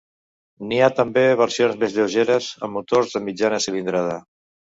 N'hi ha també versions més lleugeres, amb motors de mitjana cilindrada.